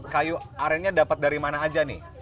kayu arennya dapat dari mana aja nih